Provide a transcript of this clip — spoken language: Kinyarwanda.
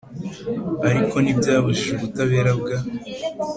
ariko ntibyabujije ubutabera bwa